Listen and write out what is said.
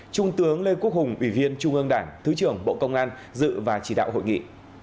trung tướng lê quốc hùng ủy viên trung ương đảng thứ trưởng bộ công an dự và chỉ đạo hội nghị